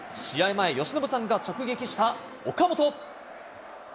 前、由伸さんが直撃した岡本。